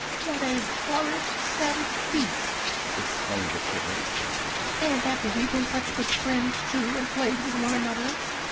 "What a horrid, savage beast!" exclaimed a piglet; "and after we've been such good friends, too, and played with one another!"